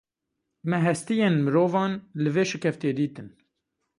Me hestiyên mirovan li vê şikeftê dîtin.